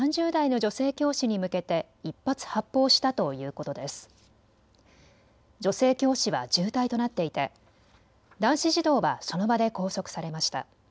女性教師は重体となっていて男子児童はその場で拘束されました。